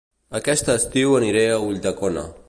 Aquest estiu aniré a Ulldecona